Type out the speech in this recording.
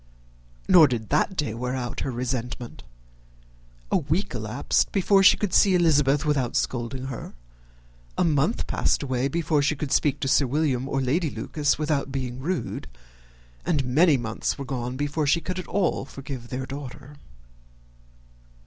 Nor did that day wear out her resentment. A week elapsed before she could see Elizabeth without scolding her: a month passed away before she could speak to Sir William or Lady Lucas without being rude; and many months were gone before she could at all forgive their daughter.